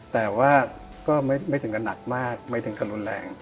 แต่ว่าก็ไม่ถึงกับหนักมากไม่ถึงกับรุนแรง